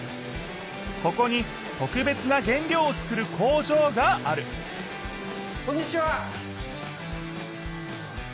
ここに特別な原料を作る工場があるこんにちは！